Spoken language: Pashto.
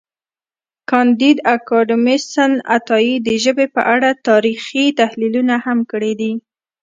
کانديد اکاډميسن عطایي د ژبې په اړه تاریخي تحلیلونه هم کړي دي.